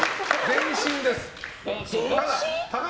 全身です。